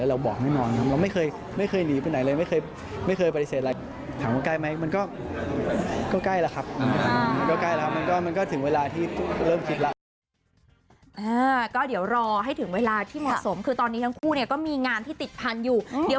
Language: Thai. แล้วเรามันบอกให้นอนเรามันไม่เคยไม่เคยหนีไปไหนเลย